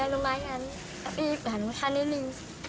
lumayan tapi baru hari ini